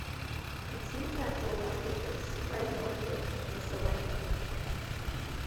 It seems that the Iapyges spread northwards from the Salento.